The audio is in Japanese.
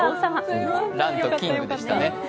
ランとキングでしたね。